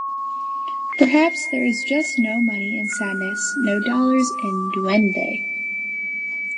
Perhaps there is just no money in sadness, no dollars in "duende".